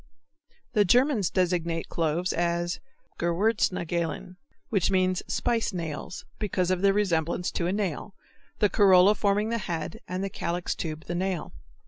The Germans designate cloves as Gewürznägelein, which means spice nails, because of their resemblance to a nail, the corolla forming the head and the calyx tube the nail.